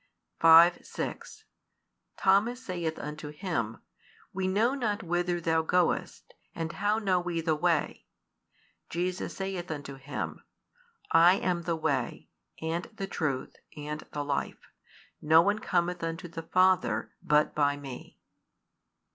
|241 5, 6 Thomas saith unto Him, We know not whither Thou goest, and how know we the way? Jesus saith unto him, I am the Way, and the Truth, and the Life: no one cometh unto the Father, but by Me.